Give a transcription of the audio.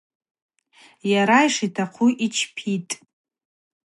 Йара йшитахъу йчпитӏ.